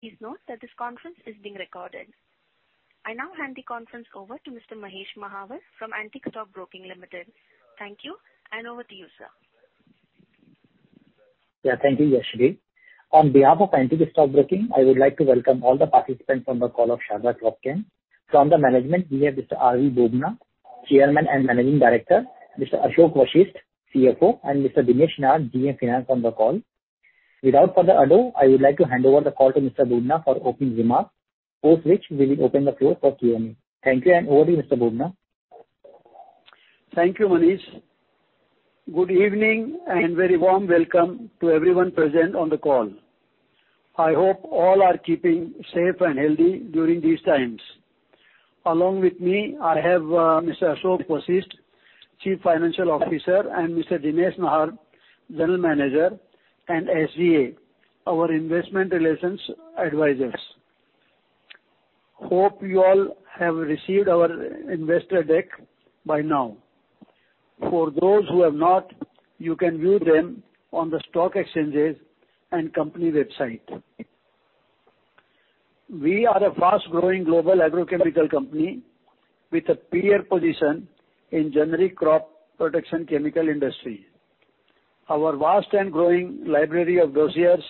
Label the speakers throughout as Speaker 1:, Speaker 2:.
Speaker 1: Please note that this conference is being recorded. I now hand the conference over to Mr. Manish Mahawar from Antique Stock Broking Limited. Thank you, and over to you, sir.
Speaker 2: Yeah, thank you, Yashvi. On behalf of Antique Stock Broking, I would like to welcome all the participants on the call of Sharda Cropchem. From the management, we have Mr. R.V. Bubna, Chairman and Managing Director, Mr. Ashok Vashisht, CFO, and Mr. Dinesh Nahar, GM Finance on the call. Without further ado, I would like to hand over the call to Mr. Bubna for opening remarks, post which we will open the floor for Q&A. Thank you. Over to you, Mr. Bubna.
Speaker 3: Thank you, Manish. Good evening, and very warm welcome to everyone present on the call. I hope all are keeping safe and healthy during these times. Along with me, I have Mr. Ashok Vashisht, Chief Financial Officer, and Mr. Dinesh Nahar, General Manager and SGA, our investment relations advisors. Hope you all have received our investor deck by now. For those who have not, you can view them on the stock exchanges and company website. We are a fast-growing global agrochemical company with a premier position in generic crop protection chemical industry. Our vast and growing library of dossiers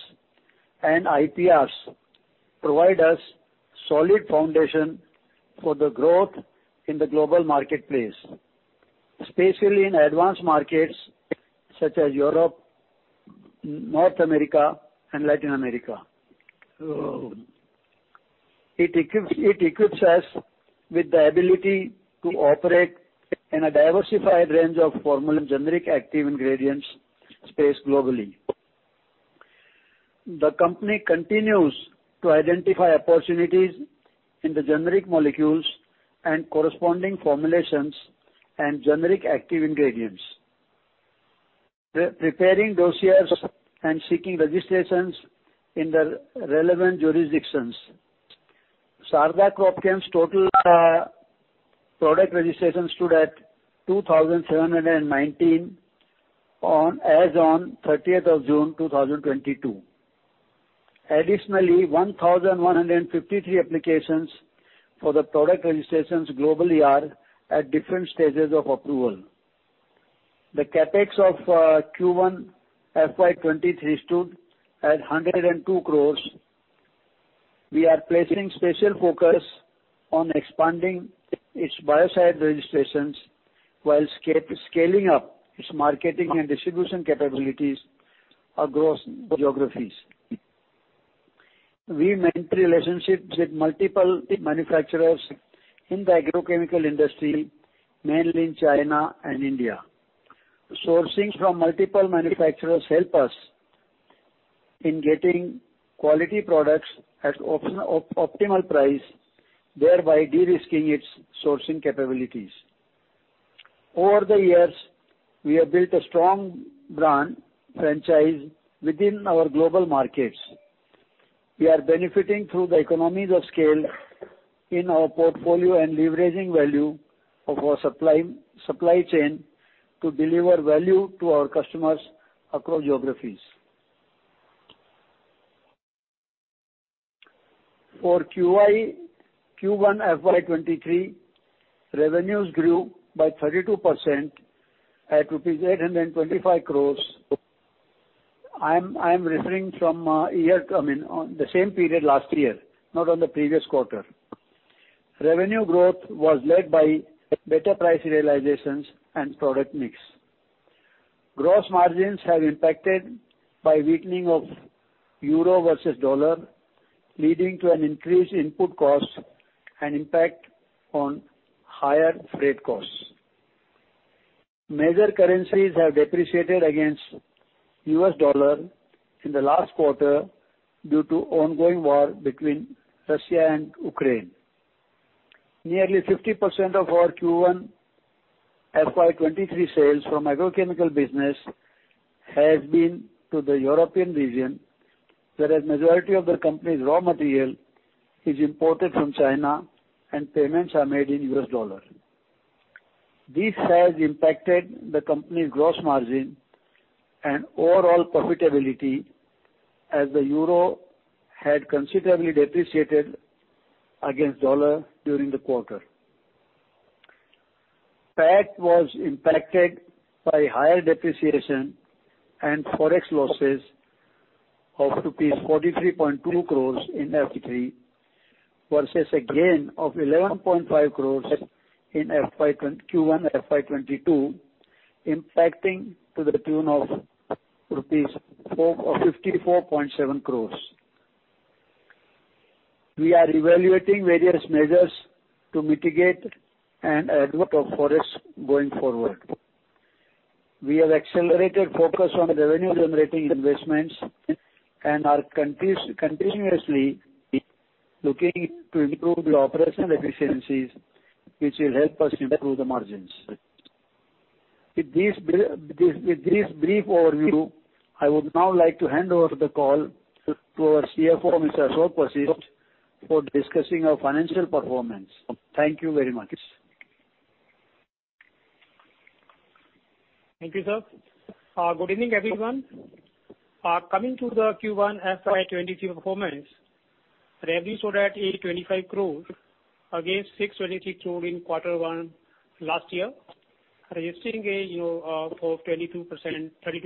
Speaker 3: and IPRs provide us solid foundation for the growth in the global marketplace, especially in advanced markets such as Europe, North America, and Latin America. It equips us with the ability to operate in a diversified range of formula and generic active ingredients space globally. The company continues to identify opportunities in the generic molecules and corresponding formulations and generic active ingredients, preparing dossiers and seeking registrations in the relevant jurisdictions. Sharda Cropchem's total product registrations stood at 2,719 as on 30th June, 2022. Additionally, 1,153 applications for the product registrations globally are at different stages of approval. The CapEx of Q1 FY 2023 stood at 102 crore. We are placing special focus on expanding its biocide registrations while scaling up its marketing and distribution capabilities across geographies. We maintain relationships with multiple manufacturers in the agrochemical industry, mainly in China and India. Sourcing from multiple manufacturers help us in getting quality products at optimal price, thereby de-risking its sourcing capabilities. Over the years, we have built a strong brand franchise within our global markets. We are benefiting through the economies of scale in our portfolio and leveraging value of our supply chain to deliver value to our customers across geographies. For Q1 FY 2023, revenues grew by 32% at rupees 825 crores. I'm referring to the same period last year, I mean, not on the previous quarter. Revenue growth was led by better price realizations and product mix. Gross margins were impacted by weakening of euro versus dollar, leading to an increased input cost and impact on higher freight costs. Major currencies have depreciated against U.S. dollar in the last quarter due to ongoing war between Russia and Ukraine. Nearly 50% of our Q1 FY 2023 sales from agrochemical business has been to the European region, whereas majority of the company's raw material is imported from China and payments are made in U.S. dollar. This has impacted the company's gross margin and overall profitability as the euro had considerably depreciated against dollar during the quarter. PAT was impacted by higher depreciation and Forex losses of rupees 43.2 crores in FY 2023 versus a gain of 11.5 crores in Q1 FY 2022, impacting to the tune of 54.7 crores rupees. We are evaluating various measures to mitigate the adverse impact of Forex going forward. We have accelerated focus on revenue-generating investments and are continuously looking to improve the operational efficiencies, which will help us improve the margins. With this brief overview, I would now like to hand over the call to our CFO, Mr. Ashok Vashisht, for discussing our financial performance. Thank you very much.
Speaker 4: Thank you, sir. Good evening, everyone. Coming to the Q1 FY 2023 performance, revenue stood at 85 crore against 623 crore in quarter one last year, registering a thirty-two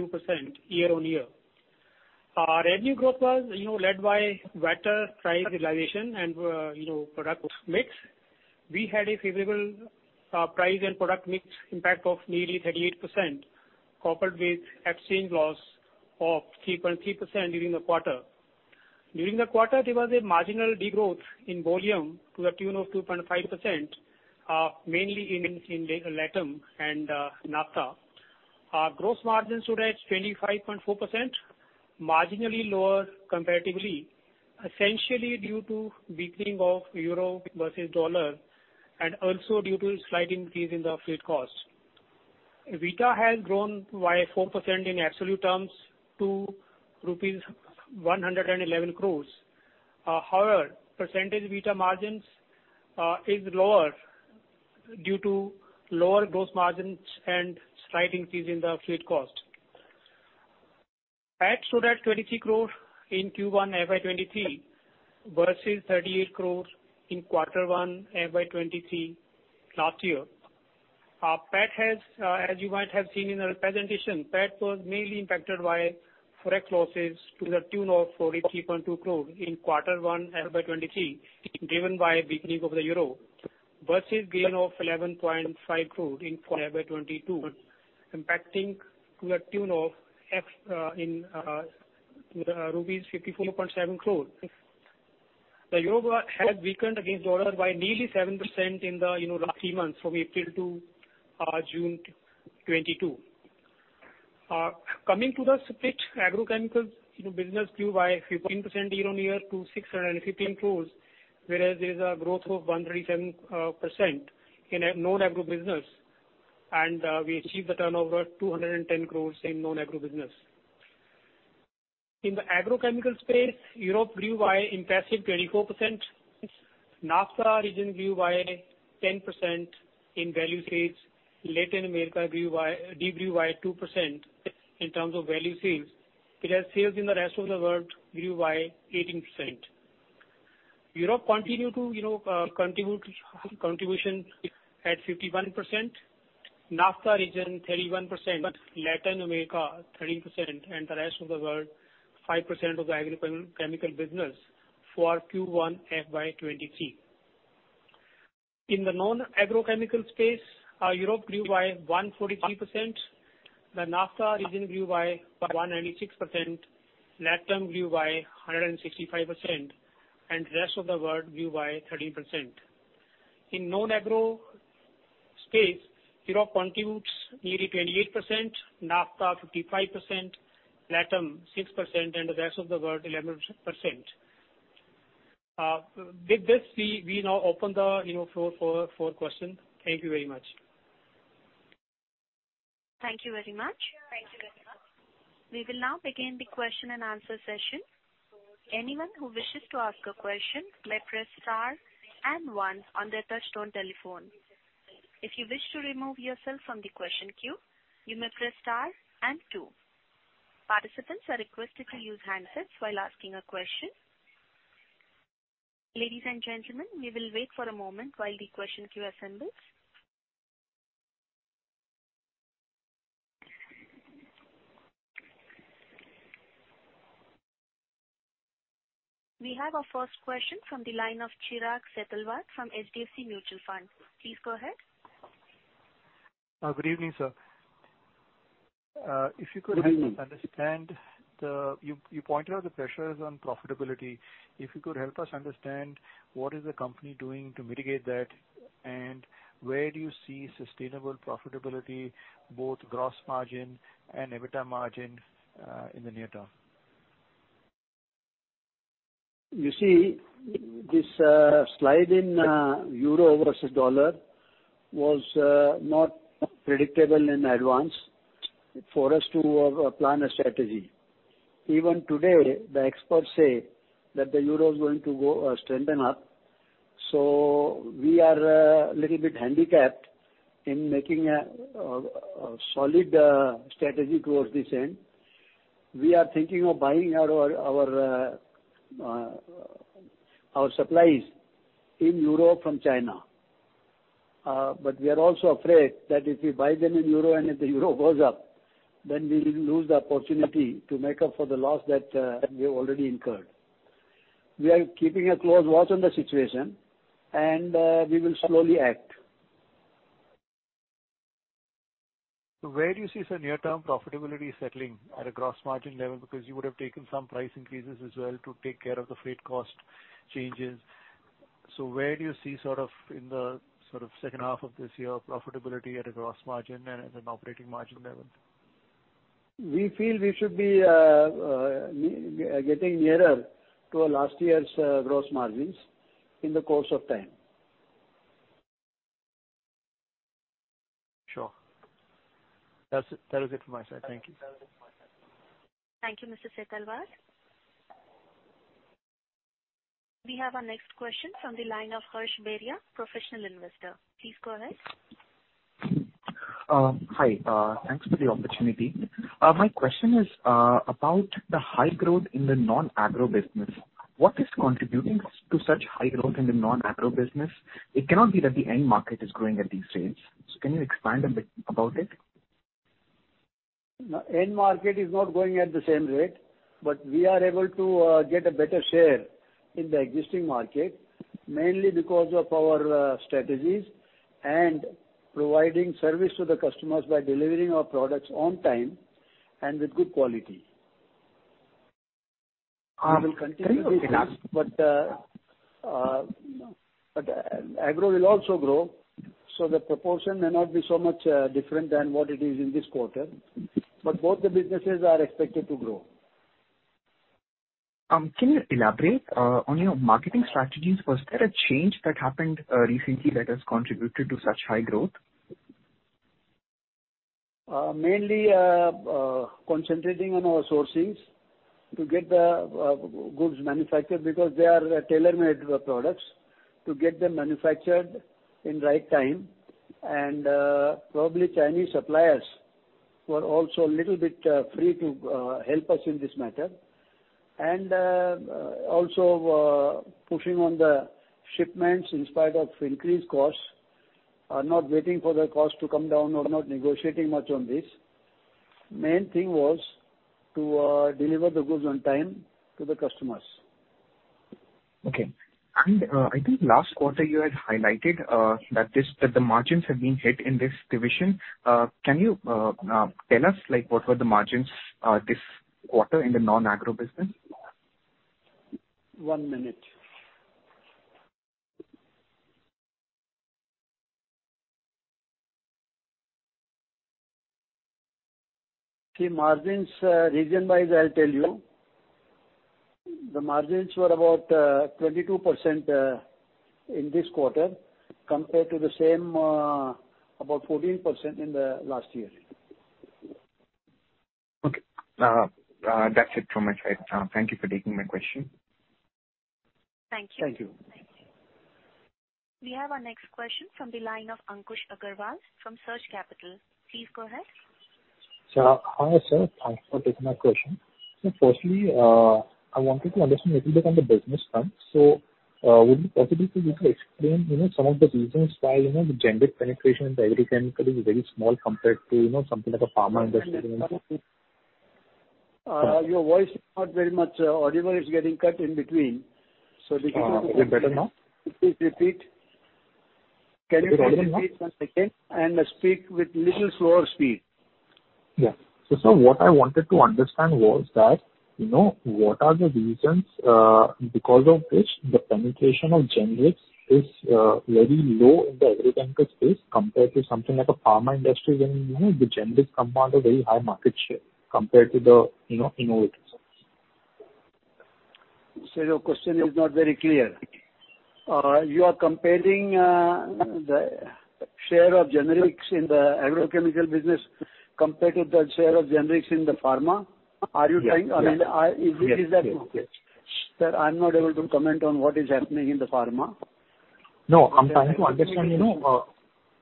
Speaker 4: percent year-on-year. Our revenue growth was, you know, led by better price realization and, you know, product mix. We had a favorable price and product mix impact of nearly 38%, coupled with exchange loss of 3.3% during the quarter. During the quarter, there was a marginal degrowth in volume to the tune of 2.5%, mainly in LATAM and NAFTA. Our gross margins stood at 25.4%, marginally lower comparatively, essentially due to weakening of euro versus dollar and also due to slight increase in the freight cost. EBITDA has grown by 4% in absolute terms to rupees 111 crore. However, percentage EBITDA margins is lower due to lower gross margins and slight increase in the freight cost. PAT stood at 23 crore in Q1 FY 2023 versus 38 crore in quarter one FY 2023 last year. Our PAT has, as you might have seen in our presentation, PAT was mainly impacted by forex losses to the tune of 43.2 crore in quarter one FY 2023, driven by weakening of the euro versus gain of 11.5 crore in FY 2022, impacting to the tune of rupees 54.7 crore. The euro has weakened against the U.S. dollar by nearly 7% in the, you know, last three months from April to June 2022. Coming to the split agrochemicals, you know, business grew by 15% year-on-year to 615 crores, whereas there is a growth of 137% in a non-agro business. We achieved the turnover 210 crores in non-agro business. In the agrochemical space, Europe grew by impressive 24%. NAFTA region grew by 10% in value sales. Latin America grew by 2% in terms of value sales. Whereas sales in the rest of the world grew by 18%. Europe continue to, you know, contribute at 51%, NAFTA region 31%, but Latin America 13%, and the rest of the world 5% of the agrochemical business for Q1 FY 2023. In the non-agrochemical space, Europe grew by 143%, the NAFTA region grew by 196%, LATAM grew by 165%, and the rest of the world grew by 13%. In non-agro space, Europe contributes nearly 28%, NAFTA 55%, LATAM 6%, and the rest of the world 11%. With this, we now open the, you know, floor for questions. Thank you very much.
Speaker 1: Thank you very much. We will now begin the question and answer session. Anyone who wishes to ask a question may press star and one on their touchtone telephone. If you wish to remove yourself from the question queue, you may press star and two. Participants are requested to use handsets while asking a question. Ladies and gentlemen, we will wait for a moment while the question queue assembles. We have our first question from the line of Chirag Setalvad from HDFC Mutual Fund. Please go ahead.
Speaker 5: Good evening, sir.
Speaker 3: Good evening.
Speaker 5: You pointed out the pressures on profitability. If you could help us understand what is the company doing to mitigate that, and where do you see sustainable profitability, both gross margin and EBITDA margin, in the near term?
Speaker 3: You see, this slide in euro versus dollar was not predictable in advance for us to plan a strategy. Even today, the experts say that the euro is going to go strengthen up. We are little bit handicapped in making a solid strategy towards this end. We are thinking of buying our supplies in euro from China. We are also afraid that if we buy them in euro and if the euro goes up, then we will lose the opportunity to make up for the loss that we have already incurred. We are keeping a close watch on the situation and we will slowly act.
Speaker 5: Where do you see the near-term profitability settling at a gross margin level? Because you would have taken some price increases as well to take care of the freight cost changes. Where do you see sort of in the sort of second half of this year profitability at a gross margin and an operating margin level?
Speaker 3: We feel we should be getting nearer to last year's gross margins in the course of time.
Speaker 5: Sure. That's it. That is it from my side. Thank you.
Speaker 1: Thank you, Mr. Setalvad. We have our next question from the line of Harsh Beria, Professional Investor. Please go ahead.
Speaker 6: Hi. Thanks for the opportunity. My question is about the high growth in the non-agro business. What is contributing to such high growth in the non-agro business? It cannot be that the end market is growing at these rates. Can you expand a bit about it?
Speaker 3: No. End market is not growing at the same rate, but we are able to get a better share in the existing market, mainly because of our strategies and providing service to the customers by delivering our products on time and with good quality.
Speaker 6: Very okay.
Speaker 3: Agro will also grow, so the proportion may not be so much different than what it is in this quarter. Both the businesses are expected to grow.
Speaker 6: Can you elaborate on your marketing strategies? Was there a change that happened recently that has contributed to such high growth?
Speaker 3: Mainly concentrating on our sourcing to get the goods manufactured because they are tailor-made products to get them manufactured in right time and probably Chinese suppliers were also a little bit free to help us in this matter. Also pushing on the shipments in spite of increased costs, are not waiting for the cost to come down or not negotiating much on this. Main thing was to deliver the goods on time to the customers.
Speaker 6: Okay. I think last quarter you had highlighted that the margins have been hit in this division. Can you tell us, like, what were the margins this quarter in the non-agro business?
Speaker 3: One minute. See, margins, region-wise, I'll tell you. The margins were about 22% in this quarter compared to the same about 14% in the last year.
Speaker 6: Okay. That's it from my side. Thank you for taking my question.
Speaker 1: Thank you.
Speaker 3: Thank you.
Speaker 1: We have our next question from the line of Ankush Agrawal from Surge Capital. Please go ahead.
Speaker 7: Sir. Hi, sir. Thanks for taking my question. Firstly, I wanted to understand a little bit on the business front. Would it be possible for you to explain, you know, some of the reasons why, you know, the generic penetration in the agrochemical is very small compared to, you know, something like a pharma industry?
Speaker 3: Your voice is not very much audible. It's getting cut in between. Can you please-
Speaker 7: Is it better now?
Speaker 3: Please repeat.
Speaker 7: Is it better now?
Speaker 3: Can you please repeat one second, and speak with little slower speed?
Speaker 7: Sir, what I wanted to understand was that, you know, what are the reasons because of which the penetration of generics is very low in the agrochemical space compared to something like a pharma industry when, you know, the generics command a very high market share compared to the, you know, innovators.
Speaker 3: Sir, your question is not very clear. You are comparing the share of generics in the agrochemical business compared to the share of generics in the pharma? Are you trying-
Speaker 7: Yes.
Speaker 3: I mean, is that?
Speaker 7: Yes. Yes. Yes.
Speaker 3: Sir, I'm not able to comment on what is happening in the pharma.
Speaker 7: No, I'm trying to understand, you know,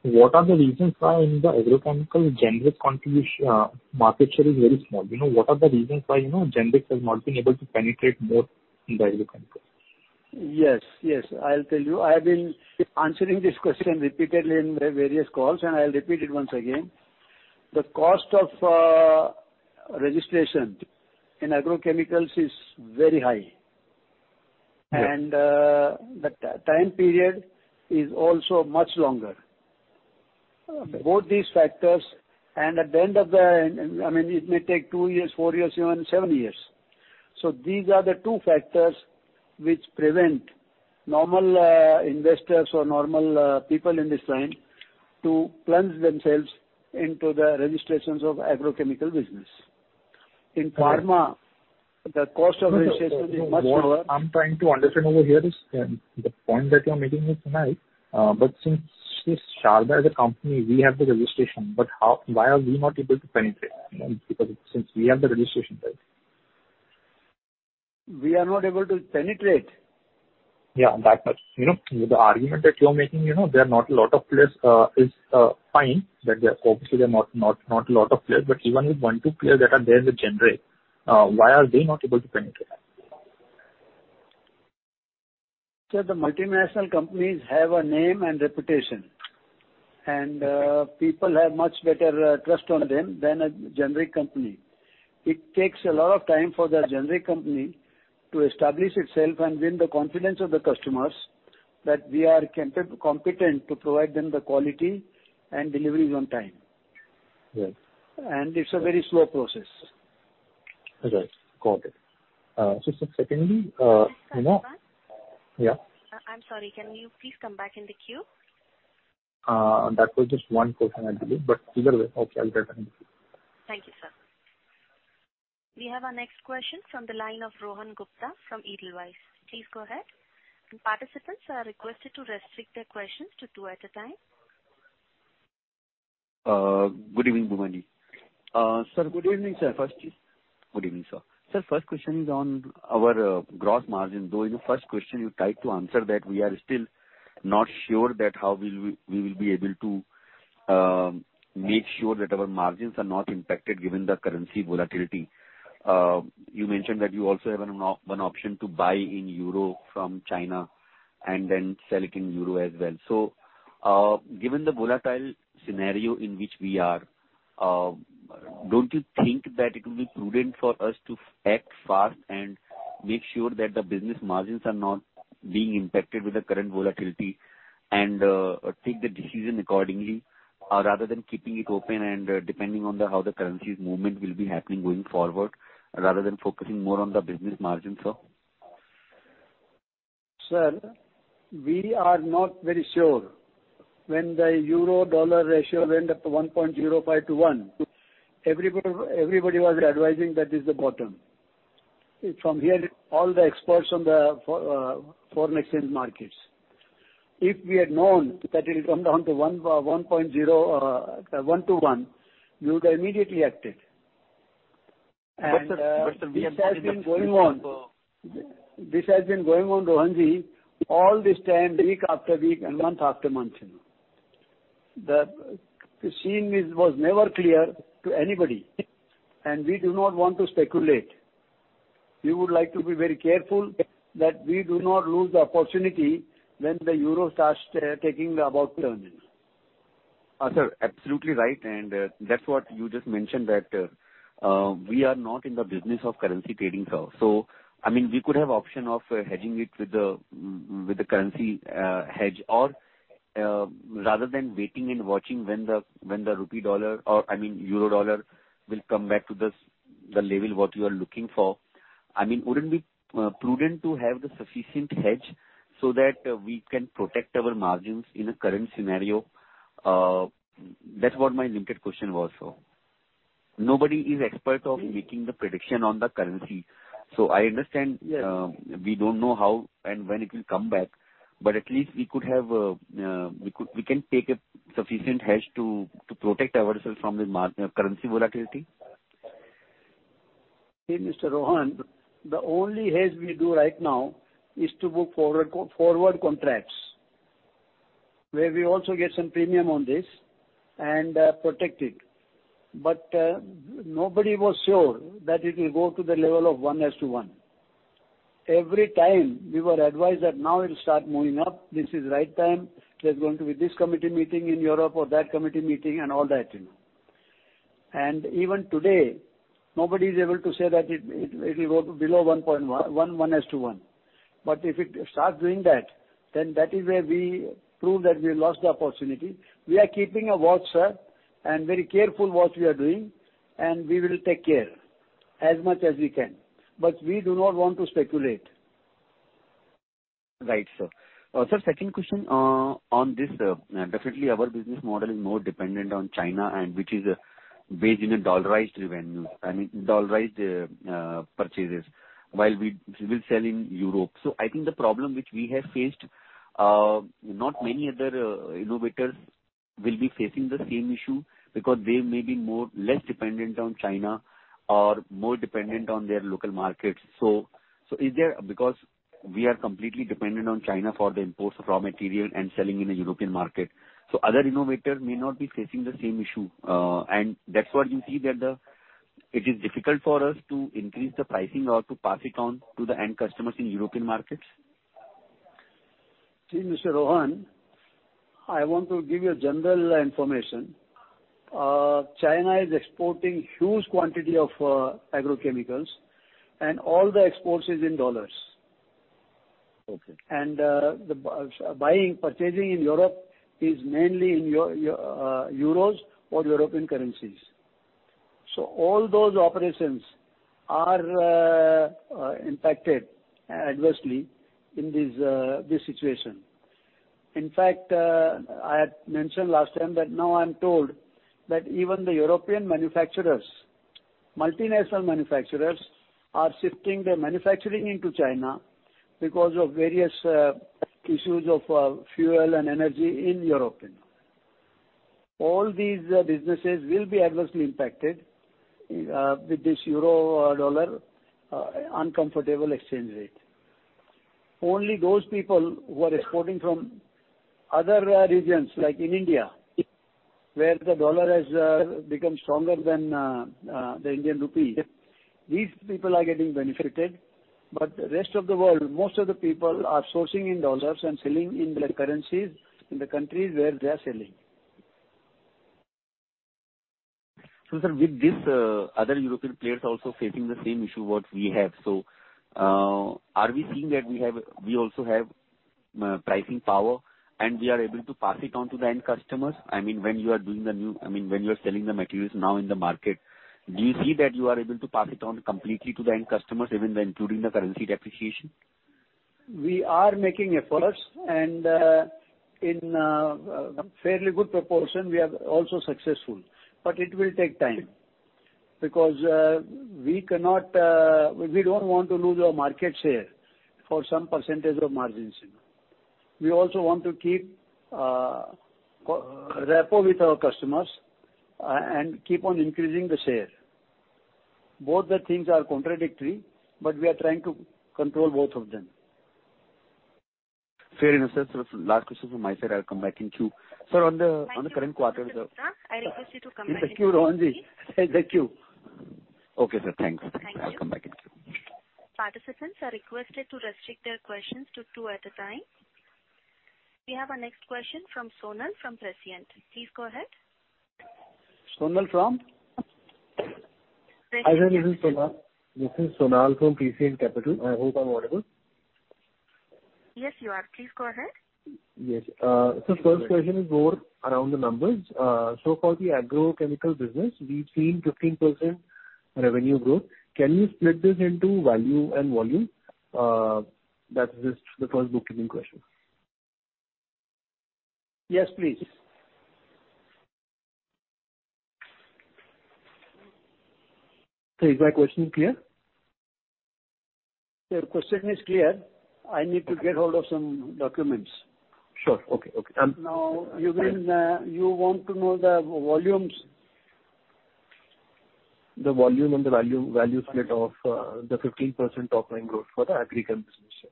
Speaker 7: what are the reasons why in the agrochemical generics contribution, market share is very small. You know, what are the reasons why, you know, generics has not been able to penetrate more in the agrochemical?
Speaker 3: Yes. Yes. I'll tell you. I have been answering this question repeatedly in the various calls, and I'll repeat it once again. The cost of registration in agrochemicals is very high.
Speaker 7: Yes.
Speaker 3: The time period is also much longer.
Speaker 7: Okay.
Speaker 3: Both these factors, I mean, it may take two years, four years, even seven years. These are the two factors which prevent normal investors or normal people in this line to plunge themselves into the registrations of agrochemical business.
Speaker 7: Okay.
Speaker 3: In pharma, the cost of registration is much lower.
Speaker 7: What I'm trying to understand over here is the point that you're making is right. But since Sharda is a company, we have the registration, but how, why are we not able to penetrate, you know, because since we have the registration right?
Speaker 3: We are not able to penetrate.
Speaker 7: Yeah, that much. You know, the argument that you're making, you know, there are not a lot of players, is fine. That obviously there are not a lot of players. Even with one, two players that are there in the generic, why are they not able to penetrate?
Speaker 3: Sir, the multinational companies have a name and reputation. People have much better trust on them than a generic company. It takes a lot of time for the generic company to establish itself and win the confidence of the customers that we are competent to provide them the quality and deliveries on time.
Speaker 7: Yes.
Speaker 3: It's a very slow process.
Speaker 7: All right. Got it. Sir, secondly, you know.
Speaker 1: Mr. Agrawal.
Speaker 7: Yeah.
Speaker 1: I'm sorry. Can you please come back in the queue?
Speaker 7: That was just one question I believe, but either way, okay, I'll get back in the queue.
Speaker 1: Thank you, sir. We have our next question from the line of Rohan Gupta from Edelweiss. Please go ahead. Participants are requested to restrict their questions to two at a time.
Speaker 8: Good evening, R.V. Bubna.
Speaker 3: Sir, good evening, sir.
Speaker 8: First, good evening, sir. Sir, first question is on our gross margin. Though in the first question you tried to answer that we are still not sure that how we will be able to make sure that our margins are not impacted given the currency volatility. You mentioned that you also have an option to buy in euro from China and then sell it in euro as well. Given the volatile scenario in which we are, don't you think that it will be prudent for us to act fast and make sure that the business margins are not being impacted with the current volatility and take the decision accordingly rather than keeping it open and depending on how the currency's movement will be happening going forward, rather than focusing more on the business margin, sir?
Speaker 3: Sir, we are not very sure. When the euro-dollar ratio went up to 1.05 to one, everybody was advising that is the bottom. From here, all the experts from the foreign exchange markets. If we had known that it will come down to 1.0 to one, we would have immediately acted.
Speaker 8: Sir, we have seen that.
Speaker 3: This has been going on, Rohan, all this time, week after week and month after month, you know. The scene was never clear to anybody. We do not want to speculate. We would like to be very careful that we do not lose the opportunity when the euro starts taking the about-turn.
Speaker 8: sir, absolutely right. That's what you just mentioned, that we are not in the business of currency trading, sir. I mean, we could have option of hedging it with the currency hedge or rather than waiting and watching when the rupee dollar or, I mean euro-dollar will come back to this, the level what you are looking for. I mean, wouldn't it be prudent to have the sufficient hedge so that we can protect our margins in the current scenario? That's what my limited question was, sir. Nobody is expert of making the prediction on the currency. I understand.
Speaker 3: Yes.
Speaker 8: We don't know how and when it will come back, but at least we can take a sufficient hedge to protect ourselves from the currency volatility.
Speaker 3: See, Mr. Rohan, the only hedge we do right now is to book forward contracts, where we also get some premium on this and protect it. Nobody was sure that it will go to the level of 1:1. Every time we were advised that now it'll start moving up, this is right time. There's going to be this committee meeting in Europe or that committee meeting and all that, you know. Even today, nobody is able to say that it will go below 1:1. If it starts doing that, then that is where we prove that we lost the opportunity. We are keeping a watch, sir, and very careful what we are doing, and we will take care as much as we can. We do not want to speculate.
Speaker 8: Right, sir. Sir, second question on this. Definitely our business model is more dependent on China and which is based in a dollarized revenue, I mean dollarized purchases, while we will sell in Europe. I think the problem which we have faced, not many other innovators will be facing the same issue because they may be more or less dependent on China or more dependent on their local markets. Because we are completely dependent on China for the imports of raw material and selling in a European market, other innovators may not be facing the same issue. And that's what you see that it is difficult for us to increase the pricing or to pass it on to the end customers in European markets.
Speaker 3: See, Mr. Rohan, I want to give you a general information. China is exporting huge quantity of agrochemicals, and all the exports is in U.S. dollars.
Speaker 8: Okay.
Speaker 3: The buying, purchasing in Europe is mainly in euros or European currencies. All those operations are impacted adversely in this situation. In fact, I had mentioned last time that now I'm told that even the European manufacturers, multinational manufacturers, are shifting their manufacturing into China because of various issues of fuel and energy in Europe. All these businesses will be adversely impacted with this euro or U.S. dollar uncomfortable exchange rate. Only those people who are exporting from other regions, like in India, where the dollar has become stronger than the Indian rupee, these people are getting benefited. The rest of the world, most of the people are sourcing in U.S. dollars and selling in their currencies in the countries where they are selling.
Speaker 8: Sir, with this, other European players are also facing the same issue what we have. Are we seeing that we also have pricing power and we are able to pass it on to the end customers? I mean, when you are selling the materials now in the market, do you see that you are able to pass it on completely to the end customers even including the currency depreciation?
Speaker 3: We are making efforts and in fairly good proportion, we are also successful, but it will take time. Because we cannot, we don't want to lose our market share for some percentage of margins. We also want to keep rapport with our customers and keep on increasing the share. Both the things are contradictory, but we are trying to control both of them.
Speaker 8: Fair enough, sir. Last question from my side. I'll come back in queue. Sir, on the.
Speaker 1: Thank you.
Speaker 8: On the current quarter, the.
Speaker 1: I request you to come back in the queue, please.
Speaker 8: In the queue, Rohan. In the queue. Okay, sir. Thanks.
Speaker 1: Thank you.
Speaker 8: I'll come back in queue.
Speaker 1: Participants are requested to restrict their questions to two at a time. We have our next question from Sonal from Prescient Capital. Please go ahead.
Speaker 3: Sonal from?
Speaker 1: Prescient.
Speaker 9: Hi, sir. This is Sonal. This is Sonal from Prescient Capital. I hope I'm audible.
Speaker 1: Yes, you are. Please go ahead.
Speaker 9: Yes. First question is more around the numbers. For the agrochemical business, we've seen 15% revenue growth. Can you split this into value and volume? That's just the first bookkeeping question.
Speaker 3: Yes, please.
Speaker 9: Is my question clear?
Speaker 3: Your question is clear.
Speaker 9: Okay.
Speaker 3: I need to get hold of some documents.
Speaker 9: Sure. Okay.
Speaker 3: Now, you mean, you want to know the volumes?
Speaker 9: The volume and the value split of the 15% top line growth for the agrochemical business.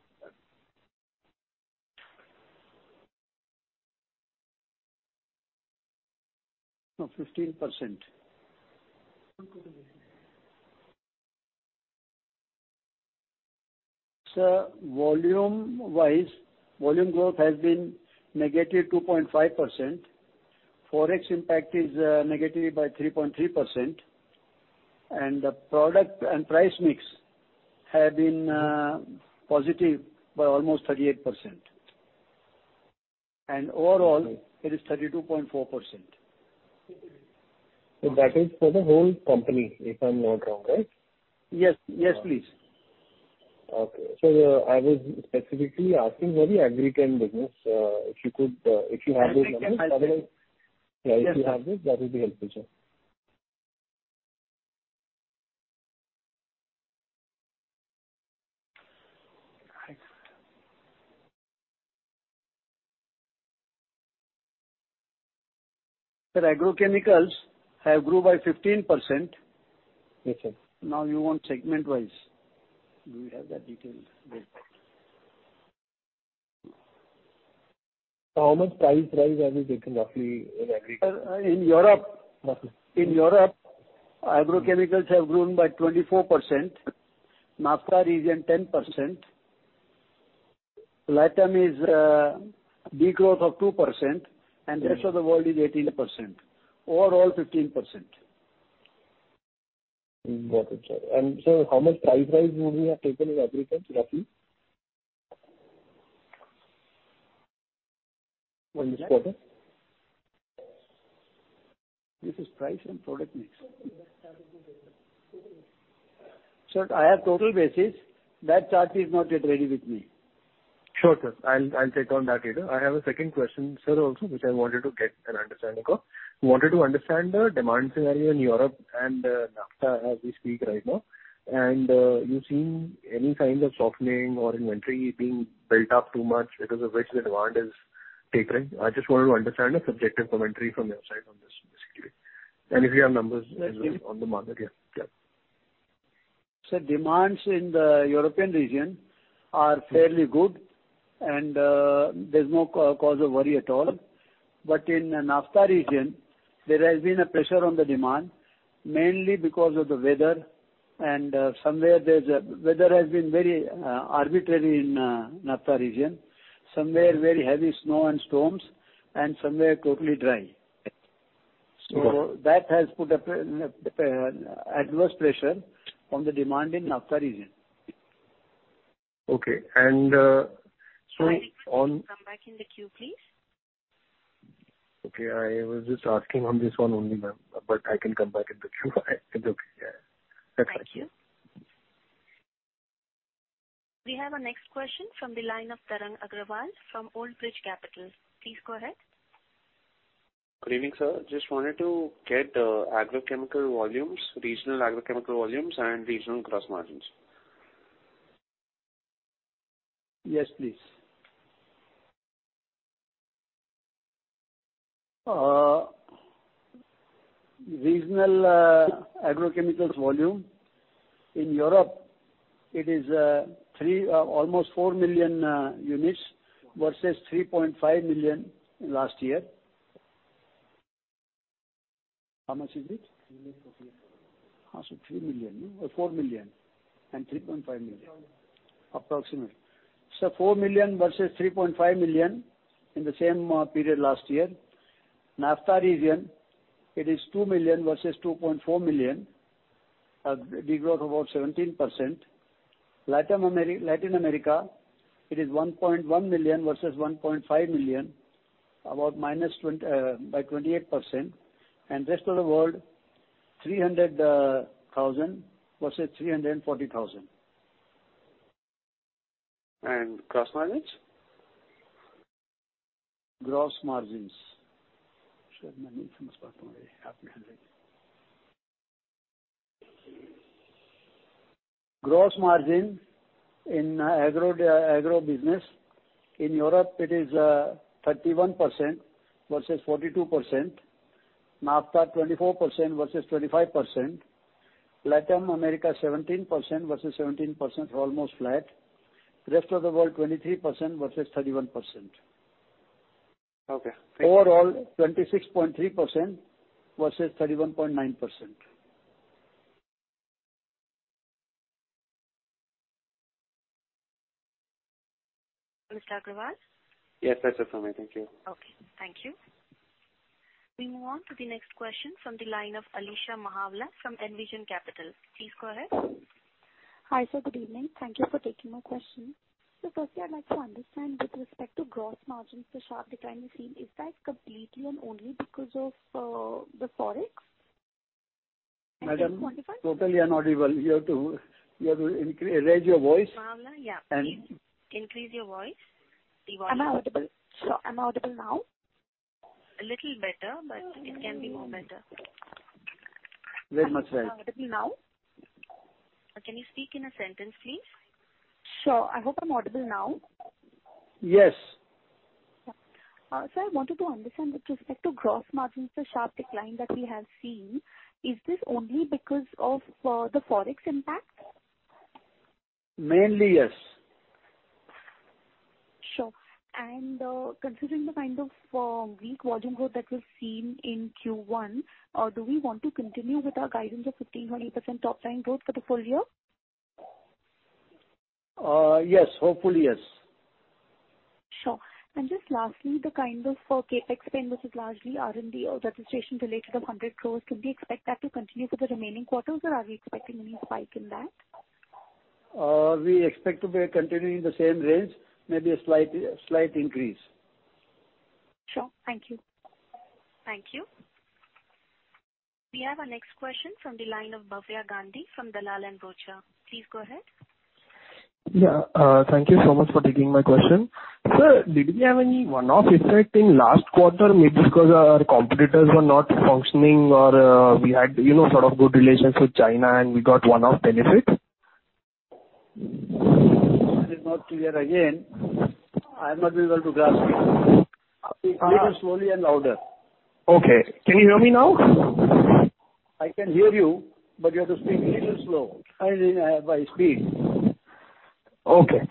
Speaker 3: Oh, 15%. Sir, volume-wise, volume growth has been -2.5%. Forex impact is -3.3%, and the product and price mix have been positive by almost 38%.
Speaker 9: Okay.
Speaker 3: It is thirty-two point four percent.
Speaker 9: That is for the whole company, if I'm not wrong, right?
Speaker 3: Yes. Yes, please.
Speaker 9: Okay. I was specifically asking for the agrochemical business. If you could, if you have those numbers.
Speaker 3: I think I'll check.
Speaker 9: Otherwise. Yeah.
Speaker 3: Yes, sir.
Speaker 9: If you have it, that would be helpful, sir.
Speaker 3: Sir, agrochemicals have grew by 15%.
Speaker 9: Okay.
Speaker 3: Now you want segment-wise. Do you have that detail with you?
Speaker 9: How much price rise have you taken roughly in agri chem?
Speaker 3: In Europe.
Speaker 9: Okay.
Speaker 3: In Europe, agrochemicals have grown by 24%. NAFTA region, 10%. LATAM is degrowth of 2%.
Speaker 9: Okay.
Speaker 3: Rest of the world is 18%. Overall, 15%.
Speaker 9: Got it, sir. Sir, how much price rise would we have taken in agri chem roughly? In this quarter.
Speaker 3: This is price and product mix. Sir, I have total basis. That chart is not yet ready with me.
Speaker 9: Sure, sir. I'll check on that later. I have a second question, sir, also, which I wanted to get an understanding of. Wanted to understand the demand scenario in Europe and NAFTA as we speak right now. You seeing any kind of softening or inventory being built up too much because of which the demand is tapering? I just wanted to understand a subjective commentary from your side on this basically. If you have numbers.
Speaker 3: Yes, sure.
Speaker 9: on the market. Yeah. Yeah.
Speaker 3: Sir, demands in the European region are fairly good and there's no cause of worry at all. In NAFTA region, there has been a pressure on the demand, mainly because of the weather, and weather has been very arbitrary in NAFTA region. Some were very heavy snow and storms and some were totally dry.
Speaker 9: Okay.
Speaker 3: That has put a pretty adverse pressure on the demand in NAFTA region.
Speaker 9: Okay.
Speaker 1: I need you to come back in the queue, please.
Speaker 9: Okay. I was just asking on this one only, ma'am, but I can come back in the queue. It's okay. Yeah. That's it.
Speaker 1: Thank you. We have our next question from the line of Tarang Agrawal from Old Bridge Capital. Please go ahead.
Speaker 10: Good evening, sir. Just wanted to get agrochemical volumes, regional agrochemical volumes and regional gross margins?
Speaker 3: Yes, please. Regional agrochemicals volume. In Europe, it is three, almost 4 million units versus 3.5 million last year. How much is it?
Speaker 4: 3 million.
Speaker 3: 3 million, no? 4 million and 3.5 million.
Speaker 4: Approximately.
Speaker 3: Approximately. Four million versus 3.5 million in the same period last year. NAFTA region, it is 2 million versus 2.4 million. Degrowth of about 17%. LATAM, Latin America, it is 1.1 million versus 1.5 million, about minus 28%. Rest of the world, 300 thousand versus 340 thousand.
Speaker 10: Gross margins?
Speaker 3: Gross margins. Gross margins in agro business. In Europe it is 31% versus 42%. NAFTA, 24% versus 25%. Latin America, 17% versus 17%, almost flat. Rest of the world, 23% versus 31%.
Speaker 10: Okay. Thank you.
Speaker 3: Overall, 26.3% versus 31.9%.
Speaker 1: Mr. Agrawal?
Speaker 10: Yes, that's what I mean. Thank you.
Speaker 1: Okay, thank you. We move on to the next question from the line of Alisha Mahawala from Envision Capital. Please go ahead.
Speaker 11: Hi, sir. Good evening. Thank you for taking my question. Firstly, I'd like to understand with respect to gross margins, the sharp decline we've seen, is that completely and only because of, the Forex? Can you clarify?
Speaker 3: Madam, you have to raise your voice.
Speaker 1: Mahawala, yeah.
Speaker 3: And-
Speaker 1: Please increase your voice. The volume.
Speaker 11: Am I audible? Sir, am I audible now?
Speaker 1: A little better, but it can be more better.
Speaker 3: Very much better.
Speaker 11: Am I audible now?
Speaker 1: Can you speak in a sentence, please?
Speaker 11: Sure. I hope I'm audible now.
Speaker 3: Yes.
Speaker 11: Sir, I wanted to understand with respect to gross margins the sharp decline that we have seen. Is this only because of the Forex impact?
Speaker 3: Mainly, yes.
Speaker 11: Sure. Considering the kind of weak volume growth that we've seen in Q1, do we want to continue with our guidance of 1500% top line growth for the full year?
Speaker 3: Yes. Hopefully, yes.
Speaker 11: Sure. Just lastly, the kind of CapEx spend which is largely R&D or registration related, 100 crores, could we expect that to continue for the remaining quarters, or are we expecting any spike in that?
Speaker 3: We expect to be continuing the same range, maybe a slight increase.
Speaker 11: Sure. Thank you.
Speaker 1: Thank you. We have our next question from the line of Bhavya Gandhi from Dalal & Broacha. Please go ahead.
Speaker 12: Yeah. Thank you so much for taking my question. Sir, did we have any one-off effect in last quarter maybe because our competitors were not functioning or, we had, you know, sort of good relations with China and we got one-off benefit?
Speaker 3: It is not clear. Again, I'm not able to grasp it.
Speaker 12: Uh-
Speaker 3: Speak a little slowly and louder.
Speaker 12: Okay. Can you hear me now?
Speaker 3: I can hear you, but you have to speak little slow. I mean, by speed.
Speaker 12: Okay.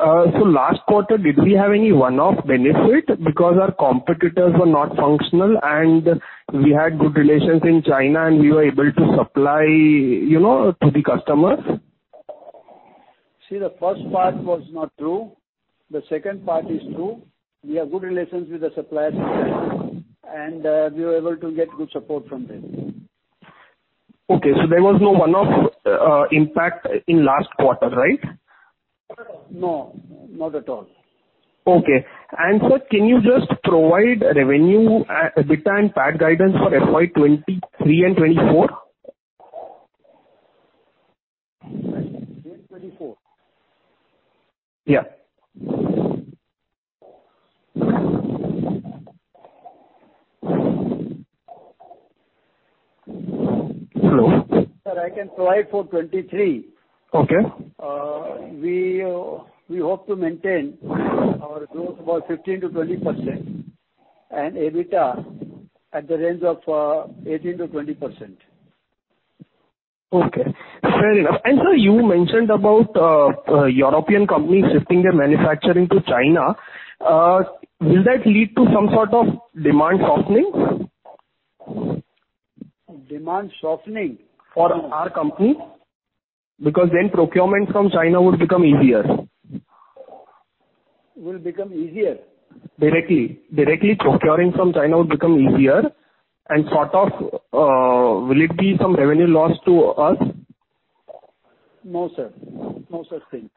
Speaker 12: Last quarter, did we have any one-off benefit because our competitors were not functional and we had good relations in China and we were able to supply, you know, to the customers?
Speaker 3: See, the first part was not true. The second part is true. We have good relations with the suppliers in China, and we were able to get good support from them.
Speaker 12: Okay. There was no one-off impact in last quarter, right?
Speaker 3: No, not at all.
Speaker 12: Sir, can you just provide revenue, EBITDA and PAT guidance for FY 2023 and 2024?
Speaker 3: 2023 and 2024?
Speaker 12: Yeah. Hello?
Speaker 3: Sir, I can provide for 2023.
Speaker 12: Okay.
Speaker 3: We hope to maintain our growth about 15%-20% and EBITDA at the range of 18%-20%.
Speaker 12: Okay. Fair enough. Sir, you mentioned about European companies shifting their manufacturing to China. Will that lead to some sort of demand softening?
Speaker 3: Demand softening? For our company.
Speaker 12: Because then procurement from China would become easier.
Speaker 3: Will become easier?
Speaker 12: Directly procuring from China would become easier and sort of, will it be some revenue loss to us?
Speaker 3: No, sir. No such thing.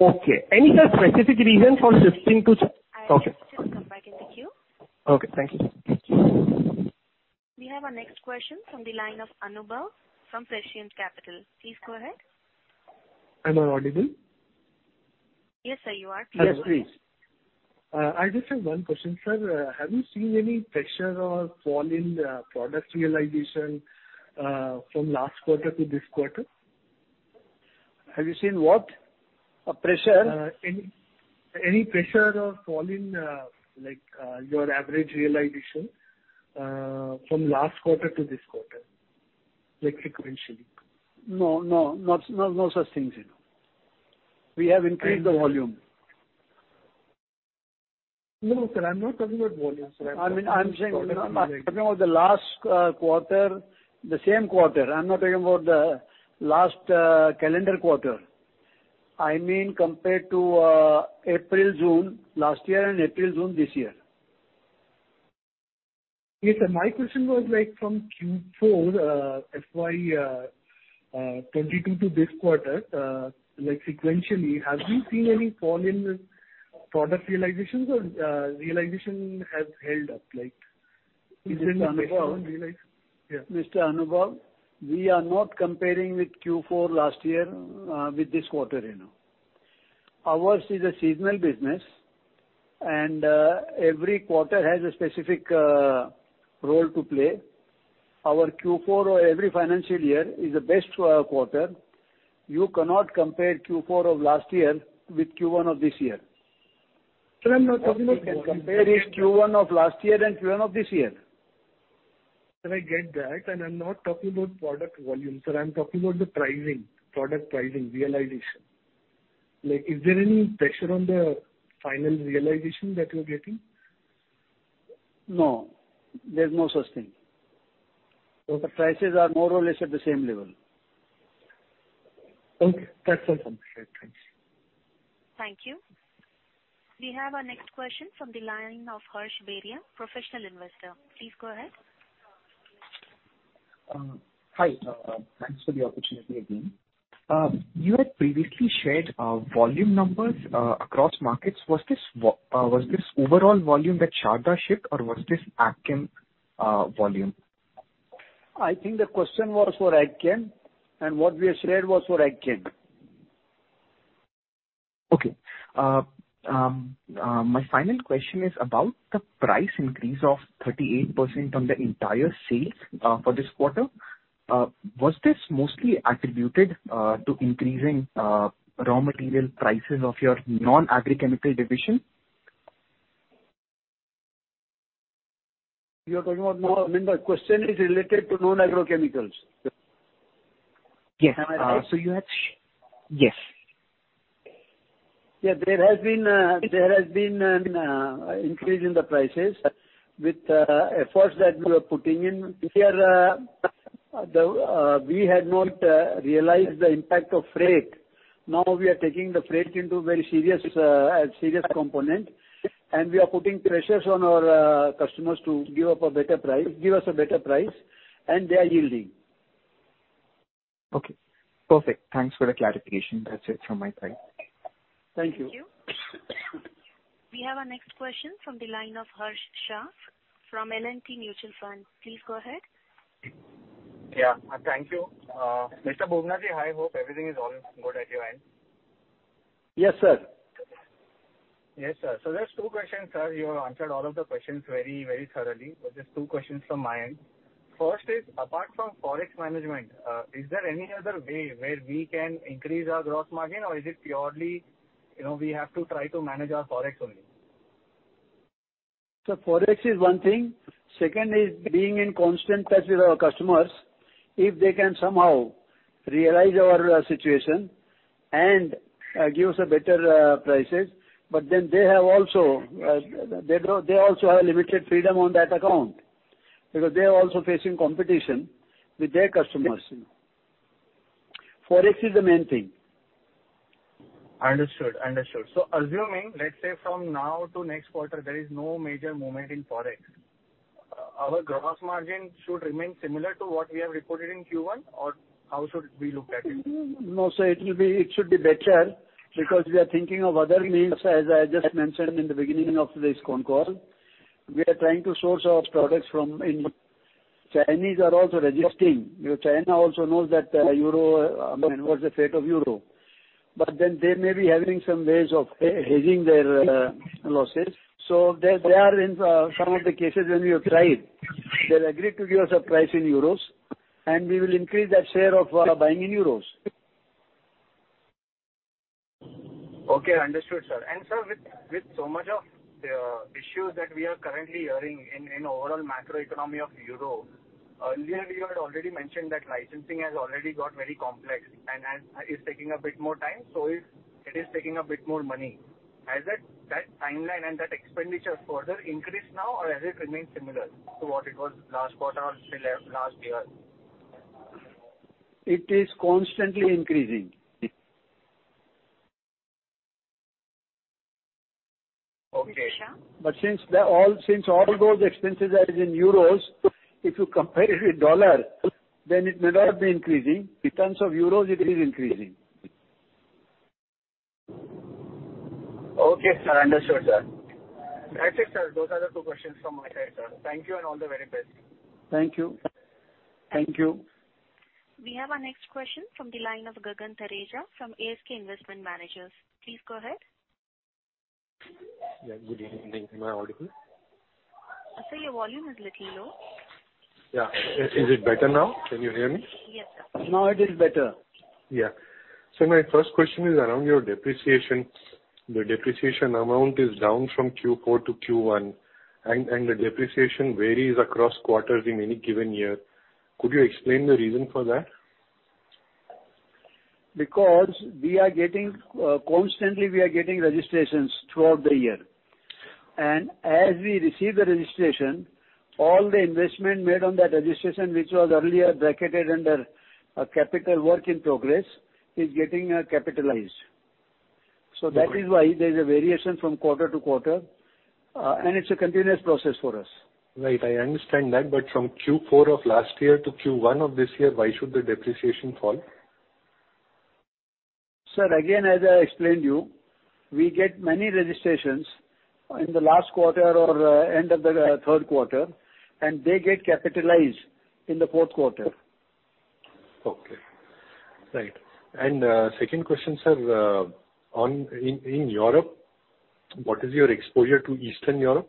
Speaker 12: Okay. Any specific reason for shifting to-
Speaker 1: I ask you to come back in the queue.
Speaker 12: Okay, thank you.
Speaker 1: We have our next question from the line of Anubhav from Prescient Capital. Please go ahead.
Speaker 13: Am I audible?
Speaker 1: Yes, sir, you are.
Speaker 3: Yes, please.
Speaker 13: I just have one question, sir. Have you seen any pressure or fall in product realization from last quarter to this quarter?
Speaker 3: Have you seen what? A pressure?
Speaker 13: Any pressure or fall in, like, your average realization from last quarter to this quarter, like sequentially?
Speaker 3: No. No such things. We have increased the volume.
Speaker 13: No, sir, I'm not talking about volume, sir.
Speaker 3: I'm saying I'm talking about the last quarter, the same quarter. I'm not talking about the last calendar quarter. I mean compared to April, June last year and April, June this year.
Speaker 13: Yes, sir. My question was like from Q4 FY 2022 to this quarter, like sequentially, have you seen any fall in product realizations or realization has held up like.
Speaker 3: Mr. Anubhav, we are not comparing with Q4 last year with this quarter, you know. Ours is a seasonal business and every quarter has a specific role to play. Our Q4 or every financial year is the best quarter. You cannot compare Q4 of last year with Q1 of this year.
Speaker 13: Sir, I'm not talking about comparing.
Speaker 3: There is Q1 of last year and Q1 of this year.
Speaker 13: Sir, I get that, and I'm not talking about product volume, sir. I'm talking about the pricing, product pricing realization. Like, is there any pressure on the final realization that you're getting?
Speaker 3: No, there's no such thing.
Speaker 13: Okay.
Speaker 3: The prices are more or less at the same level.
Speaker 13: Okay. That's all from my side. Thanks.
Speaker 1: Thank you. We have our next question from the line of Harsh Beria, Professional Investor. Please go ahead.
Speaker 6: Hi. Thanks for the opportunity again. You had previously shared volume numbers across markets. Was this overall volume that Sharda shipped, or was this agrochemical volume?
Speaker 3: I think the question was for agrochemical, and what we have shared was for agrochemical.
Speaker 6: Okay. My final question is about the price increase of 38% on the entire sales for this quarter. Was this mostly attributed to increasing raw material prices of your non-agrochemical division?
Speaker 3: You're talking about, I mean, the question is related to non-agrochemicals.
Speaker 6: Yes.
Speaker 3: Am I right?
Speaker 6: You had. Yes.
Speaker 3: Yeah. There has been increase in the prices with efforts that we are putting in. We had not realized the impact of freight. Now we are taking the freight into very serious consideration, and we are putting pressures on our customers to give us a better price, and they are yielding.
Speaker 6: Okay. Perfect. Thanks for the clarification. That's it from my side.
Speaker 3: Thank you.
Speaker 1: Thank you. We have our next question from the line of Harsh Shah from L&T Mutual Fund. Please go ahead.
Speaker 14: Yeah. Thank you. Mr. Bubna, hi. Hope everything is all good at your end.
Speaker 3: Yes, sir.
Speaker 14: Yes, sir. Just two questions, sir. You have answered all of the questions very, very thoroughly. Just two questions from my end. First is, apart from Forex management, is there any other way where we can increase our gross margin, or is it purely, you know, we have to try to manage our Forex only?
Speaker 3: Forex is one thing. Second is being in constant touch with our customers. If they can somehow realize our situation and give us a better prices. They also have limited freedom on that account because they are also facing competition with their customers.
Speaker 14: Yes.
Speaker 3: Forex is the main thing.
Speaker 14: Understood. Assuming, let's say from now to next quarter, there is no major movement in Forex, our gross margin should remain similar to what we have reported in Q1, or how should we look at it?
Speaker 3: No, sir. It should be better because we are thinking of other means, as I just mentioned in the beginning of this conference call. We are trying to source our products from India. Chinese are also resisting. You know, China also knows that, euro, I mean, what's the fate of euro. They may be having some ways of hedging their losses. They are in some of the cases when we have tried, they'll agree to give us a price in euros, and we will increase that share of buying in euros.
Speaker 14: Okay. Understood, sir. Sir, with so many issues that we are currently hearing in overall macroeconomy of Europe, earlier you had already mentioned that licensing has already got very complex and is taking a bit more time. If it is taking a bit more money, has that timeline and that expenditure further increased now, or has it remained similar to what it was last quarter or say last year?
Speaker 3: It is constantly increasing.
Speaker 14: Okay.
Speaker 1: Harsh Shah.
Speaker 3: Since all those expenses are in euros, if you compare it with dollar, then it may not be increasing. In terms of euros, it is increasing.
Speaker 14: Okay, sir. Understood, sir. That's it, sir. Those are the two questions from my side, sir. Thank you and all the very best.
Speaker 3: Thank you. Thank you.
Speaker 1: We have our next question from the line of Gagan Thareja from ASK Investment Managers. Please go ahead.
Speaker 15: Yeah, good evening. Am I audible?
Speaker 1: Sir, your volume is a little low.
Speaker 15: Yeah. Is it better now? Can you hear me?
Speaker 1: Yes, sir.
Speaker 3: Now it is better.
Speaker 15: Yeah. My first question is around your depreciation. The depreciation amount is down from Q4 to Q1, and the depreciation varies across quarters in any given year. Could you explain the reason for that?
Speaker 3: Because we are constantly getting registrations throughout the year. As we receive the registration, all the investment made on that registration which was earlier bracketed under a capital work in progress is getting capitalized.
Speaker 15: Okay.
Speaker 3: That is why there's a variation from quarter to quarter, and it's a continuous process for us.
Speaker 15: Right. I understand that, but from Q4 of last year to Q1 of this year, why should the depreciation fall?
Speaker 3: Sir, again, as I explained you, we get many registrations in the last quarter or end of the third quarter, and they get capitalized in the fourth quarter.
Speaker 15: Okay. Right. Second question, sir. In Europe, what is your exposure to Eastern Europe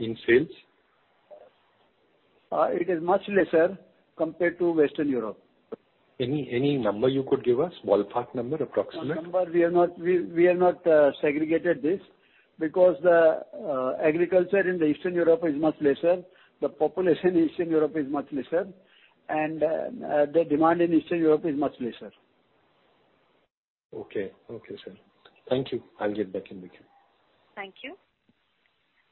Speaker 15: in sales?
Speaker 3: It is much lesser compared to Western Europe.
Speaker 15: Any number you could give us? Small part number, approximate.
Speaker 3: We have not segregated this because the agriculture in the Eastern Europe is much lesser. The population in Eastern Europe is much lesser. The demand in Eastern Europe is much lesser.
Speaker 15: Okay. Okay, sir. Thank you. I'll get back in the queue.
Speaker 1: Thank you.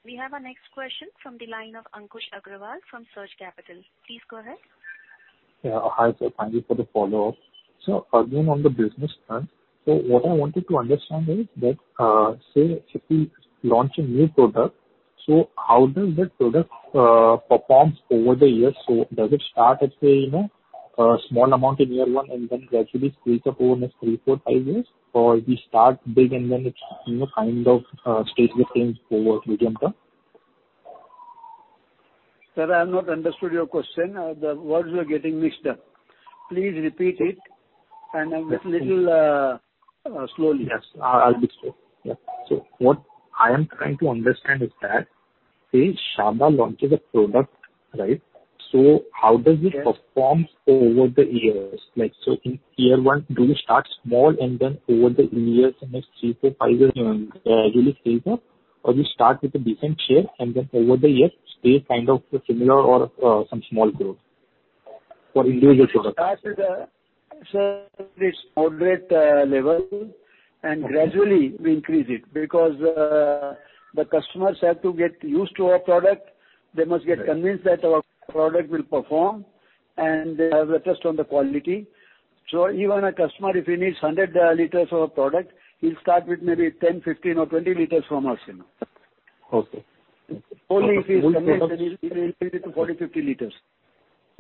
Speaker 1: We have our next question from the line of Ankush Agrawal from Surge Capital. Please go ahead.
Speaker 7: Yeah. Hi, sir. Thank you for the follow-up. Again, on the business front, what I wanted to understand is that, say if we launch a new product, how does that product performs over the years? Does it start at, say, you know, a small amount in year one and then gradually scales up over next three, four, five years? Or we start big and then it's, you know, kind of, stays the same over medium term.
Speaker 3: Sir, I have not understood your question. The words are getting mixed up. Please repeat it. Just little slowly.
Speaker 7: Yes. I'll be slow. Yeah. What I am trying to understand is that, say Sharda launches a product, right? How does it perform over the years? Like, in year one, do we start small and then over the years, next three, four, five years, really scales up? Or we start with a decent share and then over the years stay kind of similar or, some small growth for individual products.
Speaker 3: We start at a, say, this moderate level.
Speaker 7: Okay.
Speaker 3: Gradually we increase it because the customers have to get used to our product.
Speaker 7: Right.
Speaker 3: They must get convinced that our product will perform, and they have a test on the quality. Even a customer, if he needs 100 L of product, he'll start with maybe 10 L, 15 L or 20 L from us, you know.
Speaker 7: Okay.
Speaker 3: Only if he is convinced, then he'll increase it to 40 L, 50 L.